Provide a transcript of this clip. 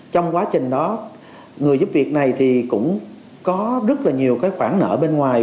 trong quá trình đó người giúp việc này thì cũng có rất là nhiều cái khoản nợ bên ngoài